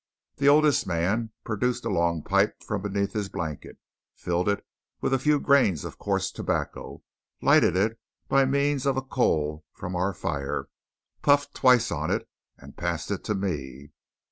The oldest man produced a long pipe from beneath his blanket, filled it with a few grains of coarse tobacco, lighted it by means of a coal from our fire, puffed twice on it, and passed it to me.